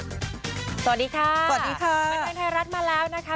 สวัสดีค่ะสวัสดีค่ะบันเทิงไทยรัฐมาแล้วนะคะ